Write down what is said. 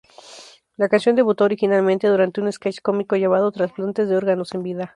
La canción debutó originalmente durante un sketch cómico llamado "Trasplantes de órganos en vida".